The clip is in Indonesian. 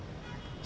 sama pun daerah